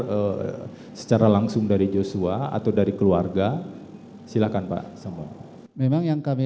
terima kasih secara langsung dari joshua atau dari keluarga silakan pak semua memang yang kami